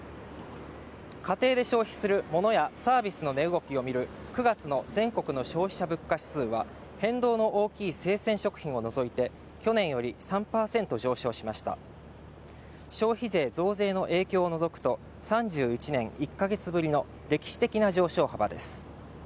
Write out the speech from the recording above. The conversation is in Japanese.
家庭で消費するモノやサービスの値動きを見る９月の全国の消費者物価指数は変動の大きい生鮮食品を除いて去年より３％上昇しました消費税増税の影響を除くと３１年１か月ぶりの歴史的な上昇幅です